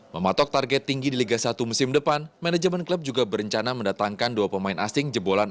mematok target tinggi di liga satu musim depan manajemen klub juga berencana mendatangkan dua pemain asing jebolan